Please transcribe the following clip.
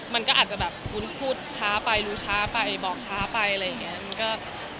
มันก็อาจจะแบบวุ้นพูดช้าไปรู้ช้าไปบอกช้าไปอะไรอย่างนี้